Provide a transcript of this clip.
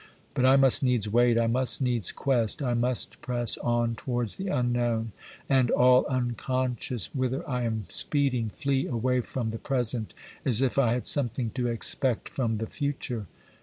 But I must needs wait, I must needs quest, I must press on towards the unknown, and, all unconscious whither I am speeding, flee away from the present as if I had something to expect from the future.